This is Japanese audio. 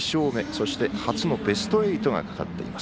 そして、初のベスト８がかかっています。